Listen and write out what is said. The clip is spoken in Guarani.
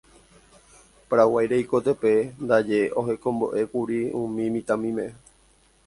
Paraguái rekoitépe ndaje ohekombo'ékuri umi mitãmíme.